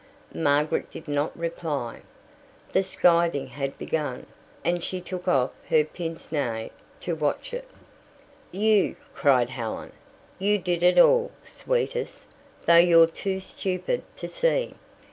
Margaret did not reply. The scything had begun, and she took off her pince nez to watch it. "You!" cried Helen. "You did it all, sweetest, though you're too stupid to see.